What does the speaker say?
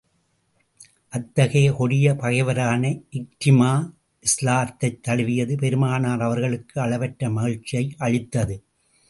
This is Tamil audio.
அத்தகைய கொடிய பகைவரான இக்ரிமா இஸ்லாத்தைத் தழுவியது பெருமானார் அவர்களுக்கு அளவற்ற மகிழ்ச்சியை அளித்தது.